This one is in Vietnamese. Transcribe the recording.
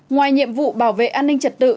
ngoài nhiệm vụ bảo vệ an ninh trật tự